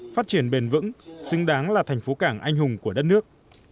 phát triển bền vững xứng đáng là thành phố cảng anh hùng của đất nước